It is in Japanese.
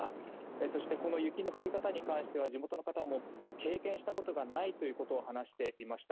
そしてこの雪の降り方に関しては地元の方も経験したことがないと話していました。